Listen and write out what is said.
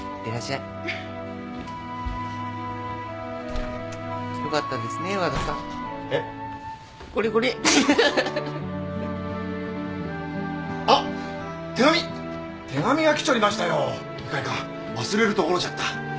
いかんいかん忘れるところじゃった。